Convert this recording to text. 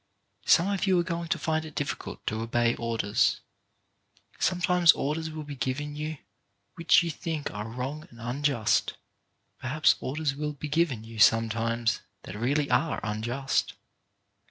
Some of you are going to find it difficult to obey orders. Sometimes orders will be given you which you think are wrong and unjust. Perhaps orders will be given you sometimes that really are unjust.